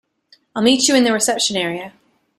I'll meet you in the reception area.